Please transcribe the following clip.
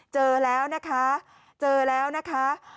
เจอแล้วนะคะ